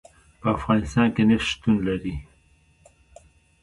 په افغانستان کې نفت شتون لري.